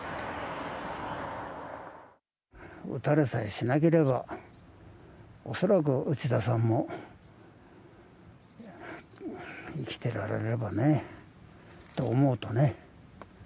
撃たれさえしなければおそらく内田さんも生きていられればねと思うとね。